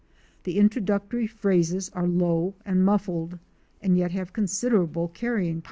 The introductory phrases are low and muffled and yet have considerable carrying power.